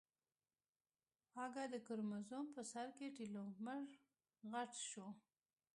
اگه د کروموزوم په سر کې ټيلومېر غټ شو.